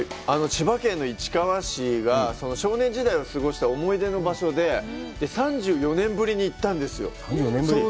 千葉県の市川市が少年時代を過ごした思い出の場所で、３４年ぶりに行ったんですよ。